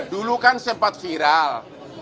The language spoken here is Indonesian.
dulu kan sempat viral